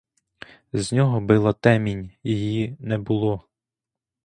З нього била темінь, її не було.